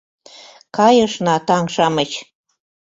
— Кайышна, таҥ-шамыч!